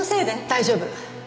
大丈夫！